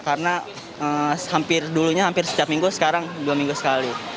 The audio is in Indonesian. karena hampir dulunya hampir setiap minggu sekarang dua minggu sekali